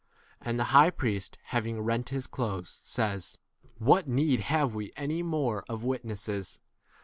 And the high priest, having rent his clothes, says, What need have we any 64 more of witnesses